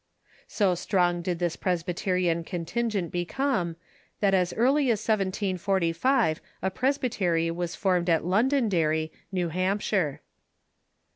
So strong did this Presbyterian contingent become that as early as 1745 a presbytery Avas formed at Londonderry, New Hampshire.